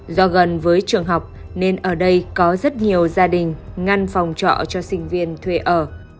do gần với trường học nên ở đây có rất nhiều gia đình ngăn phòng trọ cho sinh viên thuê ở